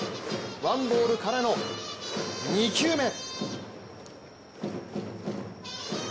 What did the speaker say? ワンボールからの２球目。